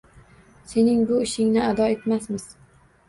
Sening bu ishingni ado etmasmiz!